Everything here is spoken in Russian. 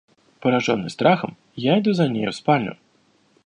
Пораженный страхом, я иду за нею в спальню.